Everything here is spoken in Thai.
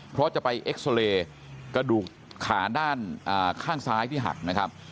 เพราะจะไปเอ็กซอเรย์กระดูกขาด้านข้างซ้ายที่หักนะครับ